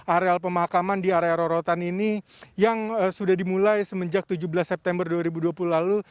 areal pemakaman di area rorotan ini yang sudah dimulai semenjak tujuh belas september dua ribu dua puluh lalu